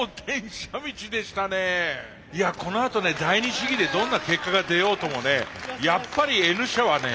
このあとね第二試技でどんな結果が出ようともねやっぱりＮ社はね